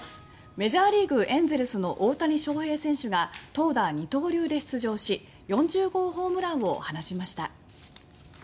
メジャーリーグエンゼルスの大谷翔平選手が投打二刀流で出場し４０号ホームランを放ちました。